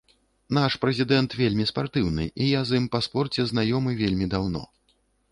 Наш прэзідэнт вельмі спартыўны, і я з ім па спорце знаёмы вельмі даўно.